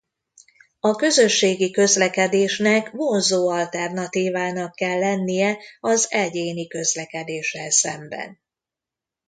A közösségi közlekedésnek vonzó alternatívának kell lennie az egyéni közlekedéssel szemben.